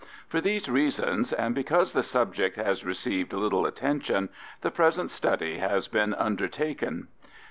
For these reasons, and because the subject has received little attention, the present study has been undertaken.